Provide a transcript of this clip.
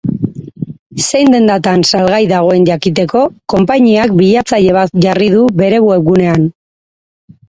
Zein dendatan salgai dagoen jakiteko, konpainiak bilatzaile bat jarri du bere webgunean.